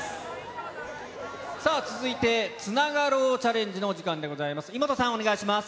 さあ、続いて、つながろうチャレンジの時間でございます。